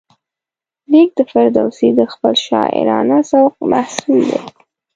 لیک د فردوسي د خپل شاعرانه ذوق محصول دی.